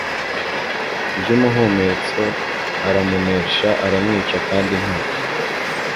ry umuhumetso aramunesha aramwica kandi nta